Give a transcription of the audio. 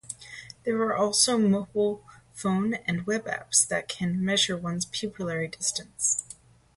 There are also mobile phone and web apps that can measure one's pupillary distance.